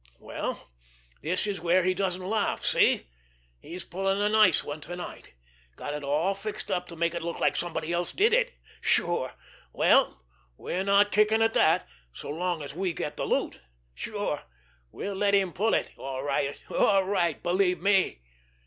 Well, this is where he doesn't laugh—see? He's pulling a nice one to night. Got it all fixed up to make it look like somebody else did it. Sure! Well, we're not kicking at that—so long as we get the loot. Sure! We'll let him pull it, all right, all right, believe me!"